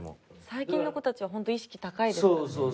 最近の子たちはホント意識高いですからね。